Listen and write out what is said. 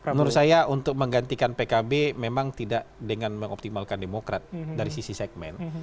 menurut saya untuk menggantikan pkb memang tidak dengan mengoptimalkan demokrat dari sisi segmen